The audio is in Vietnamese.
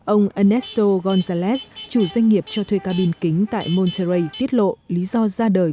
ông ernesto gonzález chủ doanh nghiệp cho thuê cabin kính tại monterrey tiết lộ lý do ra đời